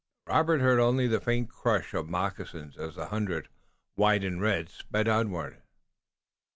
Robert heard only the faint crush of moccasins as the hundred, white and red, sped onward.